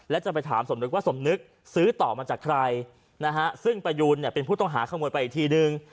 และจะไปถามสมนึกว่าสมนึกซื้อต่อมาจากใครนะฮะซึ่งประยูนเนี่ยเป็นผู้ต้องหาขโมยไปอีกทีนึง